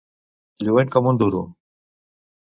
Lluent com un duro.